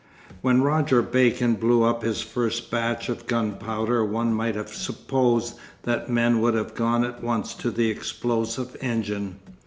When Roger Bacon blew up his first batch of gunpowder one might have supposed that men would have gone at once to the explosive engine.